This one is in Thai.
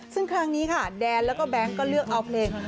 ซึ่งครั้งนี้ค่ะแดนแล้วก็แบงค์ก็เลือกเอาเพลง